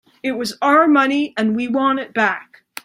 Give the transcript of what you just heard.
It was our money and we want it back.